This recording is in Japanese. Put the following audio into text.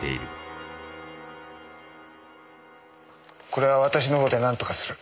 これは私の方でなんとかする。